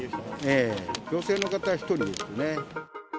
女性の方１人ですね。